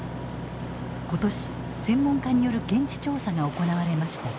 今年専門家による現地調査が行われました。